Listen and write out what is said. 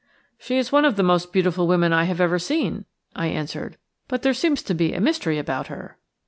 "She is one of the most beautiful women I have ever seen," I answered, "but there seems to be a mystery about her."